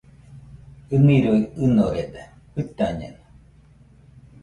ɨniroi ɨnorede, jɨtañeno